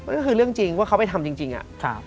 ก็คือเรื่องจริงว่าเขาไปทำจริงอะ